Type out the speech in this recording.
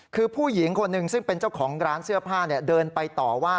คือผู้หญิงคนหนึ่งซึ่งเป็นเจ้าของร้านเสื้อผ้าเดินไปต่อว่า